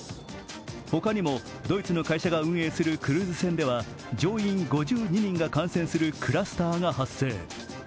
ほかにもドイツの会社が運営するクルーズ船では乗員５２人が感染するクラスターが発生。